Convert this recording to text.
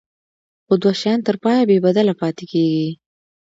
خو دوه شیان تر پایه بې بدله پاتې کیږي.